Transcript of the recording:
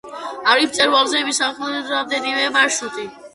არის მწვერვალზე მისასვლელი რამდენიმე მარშრუტი.